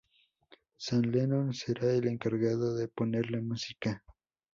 Sean Lennon, será el encargado de ponerle música.